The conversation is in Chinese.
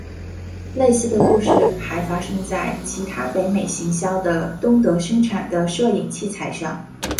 类似的故事还发生在其他北美行销的东德生产的摄影器材上。